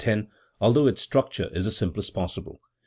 10), although its structure is the simplest possible.